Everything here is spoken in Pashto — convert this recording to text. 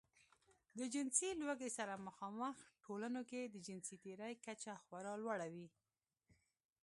د جنسي لوږې سره مخامخ ټولنو کې د جنسي تېري کچه خورا لوړه وي.